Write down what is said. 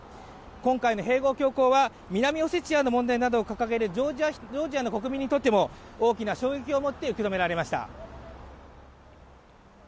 今回の併合強行は南オセチアの問題などを掲げるジョージアの国民にとっても大きな衝撃を持って受け止められました。